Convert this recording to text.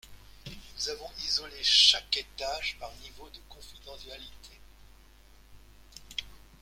Nous avons isolé chaque étage, par niveau de confidentialité.